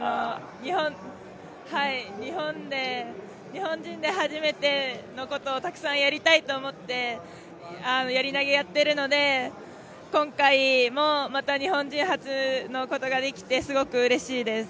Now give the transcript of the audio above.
はい、日本人で初めてのことをたくさんやりたいと思ってやり投やっているので今回も、また日本人初のことができて、すごくうれしいです。